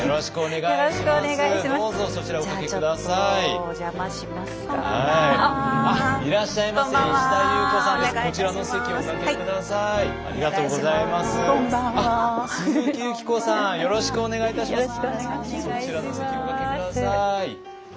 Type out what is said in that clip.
よろしくお願いします。